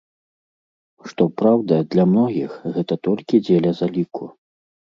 Што праўда, для многіх гэта толькі дзеля заліку.